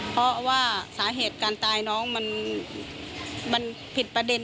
เพราะว่าสาเหตุการตายน้องมันผิดประเด็น